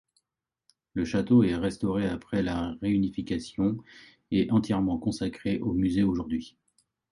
Le château est restauré après la réunification et est entièrement consacré au musée aujourd'hui.